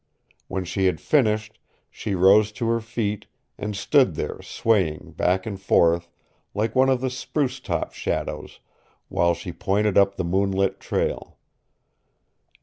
When she had finished she rose to her feet, and stood there swaying back and forth, like one of the spruce top shadows, while she pointed up the moonlit trail.